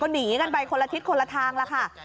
หนีกันไปคนละทิศคนละทางแล้วค่ะ